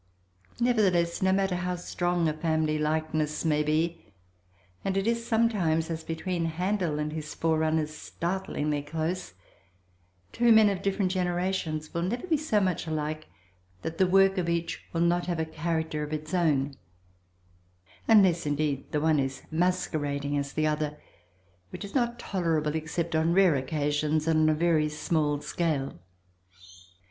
Nevertheless no matter how strong a family likeness may be, (and it is sometimes, as between Handel and his forerunners, startlingly close) two men of different generations will never be so much alike that the work of each will not have a character of its own—unless indeed the one is masquerading as the other, which is not tolerable except on rare occasions and on a very small scale.